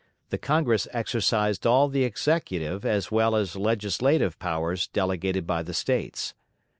The Congress exercised all the executive as well as legislative powers delegated by the States.